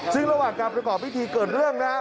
ซึ่งระหว่างการประกอบพิธีเกิดเรื่องนะครับ